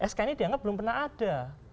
sk ini dianggap belum pernah ada